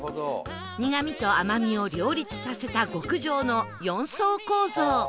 苦みと甘みを両立させた極上の４層構造